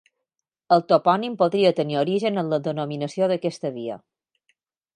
El topònim podria tenir origen en la denominació d'aquesta via.